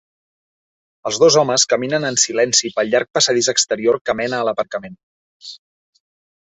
Els dos homes caminen en silenci pel llarg passadís exterior que mena a l'aparcament.